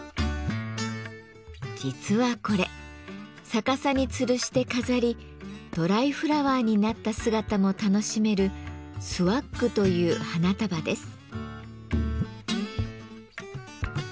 実はこれ逆さにつるして飾りドライフラワーになった姿も楽しめる「スワッグ」という花束です。